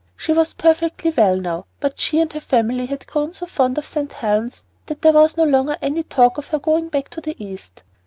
She was perfectly well now, but she and her family had grown so fond of St. Helen's that there was no longer any talk of their going back to the East.